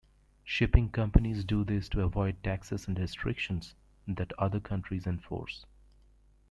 Shipping companies do this to avoid taxes and restrictions that other countries enforce.